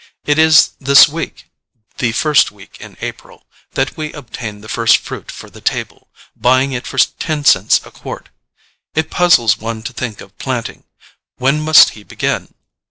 It is this week the first week in April that we obtained the first fruit for the table, buying it for ten cents a quart. It puzzles one to think of planting. When must he begin?